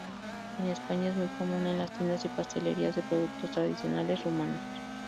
En España es muy común en las tiendas y pastelerías de productos tradicionales rumanos.